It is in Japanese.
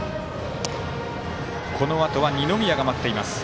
このあとは二宮が待っています。